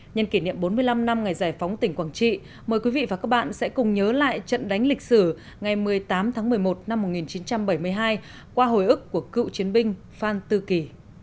nhân kỷ niệm bốn mươi năm năm ngày giải phóng tỉnh quảng trị mời quý vị và các bạn sẽ cùng nhớ lại trận đánh lịch sử ngày một mươi tám tháng một mươi một năm một nghìn chín trăm bảy mươi hai qua hồi ức của cựu chiến binh phan tư kỳ